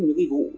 những cái vụ